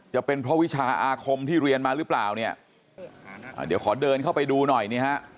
จะเป็นเพราะวิชาอาคมที่เรียนมาหรือเปล่าเนี่ยเดี๋ยวขอเดินเข้าไปดูหน่อยนี่ฮะ